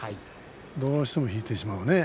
どうしても引いてしまうね。